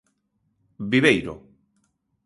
Viveiro.